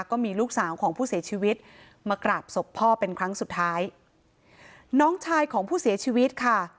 ก็มีลูกสาวของผู้เสียชีวิตมากราบศพพ่อเป็นครั้งสุดท้ายน้องชายของผู้เสียชีวิตค่ะ